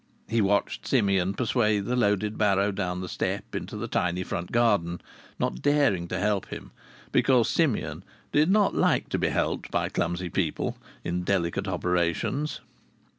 He watched Simeon persuade the loaded barrow down the step into the tiny front garden, not daring to help him, because Simeon did not like to be helped by clumsy people in delicate operations.